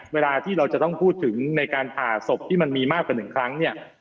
เวลาที่เราจะต้องพูดถึงในการผ่าศพที่มันมีมากกว่า๑ครั้งเนี่ย